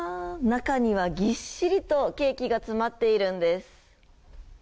中にはぎっしりとケーキが詰まっているんです。